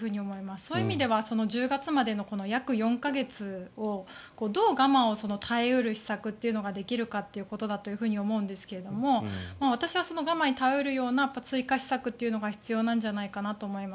そういう意味では１０月までの約４か月をどう我慢を耐え得る施策ができるかということだと思いますが私はその我慢に頼るような追加施策が必要なんじゃないかと思います。